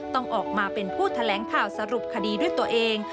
ต้องออกมาเป็นผู้แถลงข่าวสรุปคดีด้วยตัวเอง